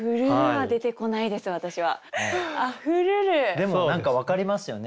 でも何か分かりますよね